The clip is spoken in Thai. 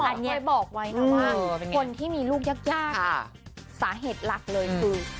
อันนี้บอกไว้นะว่าคนที่มีลูกยากเนี่ยสาเหตุหลักเลยคือ